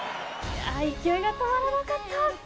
勢いが止まらなかった。